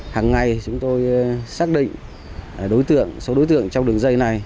hằng ngày chúng tôi xác định số đối tượng trong đường dây này